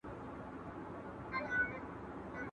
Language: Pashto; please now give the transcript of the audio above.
¬ څراغ چي په کور کي لگېږي، بېبان ته حاجت نسته.